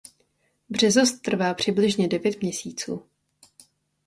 Březost trvá přibližně devět měsíců.